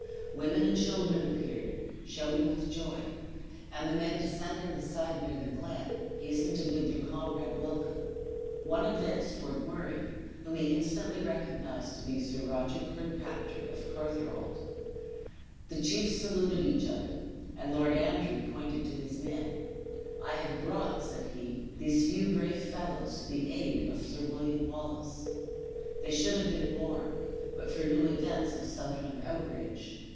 Women and children appeared, shouting with joy; and the men, descending the side near the glen, hastened to bid their comrade welcome. One advanced toward Murray, whom he instantly recognized to be Sir Roger Kirkpatrick of Torthorald. The chiefs saluted each other; and Lord Andrew pointed to his men: "I have brought," said he, "these few brave fellows to the aid of Sir William Wallace. They should have been more, but for new events of Southron outrage.